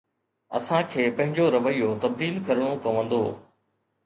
اسان کي پنهنجو رويو تبديل ڪرڻو پوندو.